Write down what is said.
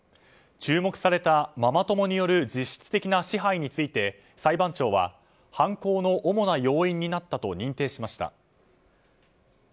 注目されたママ友による実質的な支配について、裁判長は犯行の主な要因になったと認定しました。